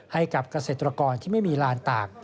ให้กับเกษตรกรที่ไม่มีลานตาก